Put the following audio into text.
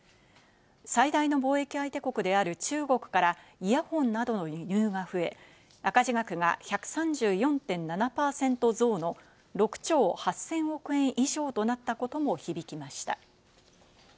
最大の貿易相手国である中国からイヤホンなどの輸入が増え、赤字額が１３４．７％増の６兆８０００億円以上となったことも響きました。